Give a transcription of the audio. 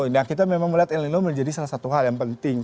ini menjadi salah satu hal yang penting